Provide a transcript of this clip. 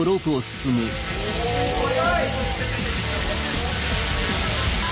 速い！